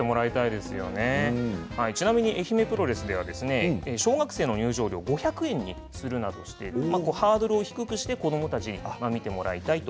愛媛プロレスでは小学生の入場料を５００円にするなどハードルを低くして子どもたちに見てもらいたいと。